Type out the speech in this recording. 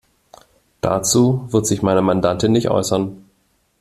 Dazu wird sich meine Mandantin nicht äußern.